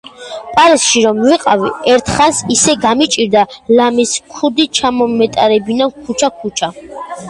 პარიზში რომ ვიყავი, ერთხანს ისე გამიჭირდა, ლამის ქუდი ჩამომეტარებინა ქუჩა-ქუჩა.